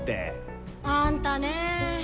あんたね。